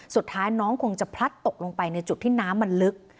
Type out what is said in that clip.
สุดท้ายน้องคงจะพลัดตกลงไปในจุดที่น้ำมันลึก